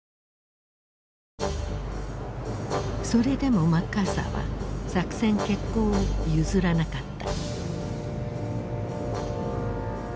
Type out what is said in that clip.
それでもマッカーサーは作戦決行を譲らなかった。